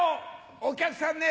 お客さんね